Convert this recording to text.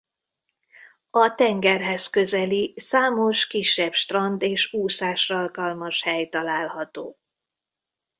A tengerhez közeli számos kisebb strand és úszásra alkalmas hely található.